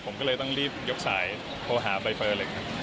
ผมก็เลยต้องรีบยกสายโทรหาใบเฟอร์เลยครับ